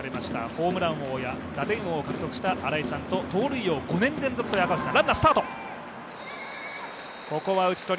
ホームラン王や打点王を獲得した新井さんと盗塁王５年連続という赤星さん。